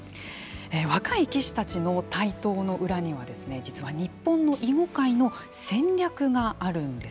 若い棋士たちの台頭の裏には実は日本の囲碁界の戦略があるんです。